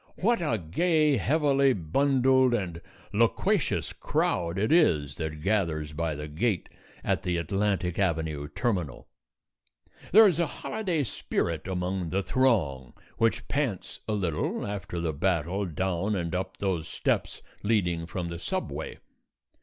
What a gay, heavily bundled, and loquacious crowd it is that gathers by the gate at the Atlantic Avenue terminal. There is a holiday spirit among the throng, which pants a little after the battle down and up those steps leading from the subway.